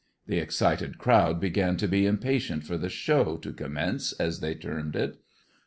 The excited crowd began to be impatient for the ''show" to com mence as they termed it.